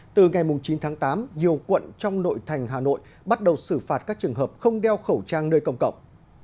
từ ngày chín tháng tám nhiều quận trong nội thành hà nội bắt đầu xử phạt các trường hợp không đeo khẩu trang nơi công cộng